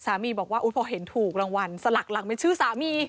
บอกว่าพอเห็นถูกรางวัลสลักหลังเป็นชื่อสามี